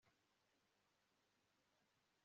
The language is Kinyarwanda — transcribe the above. ikuye abanzi bayo ku isi